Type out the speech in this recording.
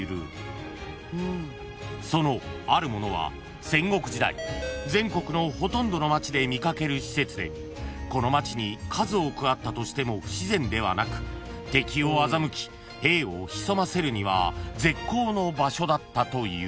［そのあるものは戦国時代全国のほとんどの町で見かける施設でこの町に数多くあったとしても不自然ではなく敵を欺き兵を潜ませるには絶好の場所だったという］